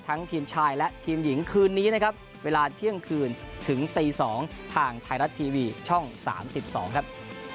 ทีมชายและทีมหญิงคืนนี้นะครับเวลาเที่ยงคืนถึงตี๒ทางไทยรัฐทีวีช่อง๓๒ครับ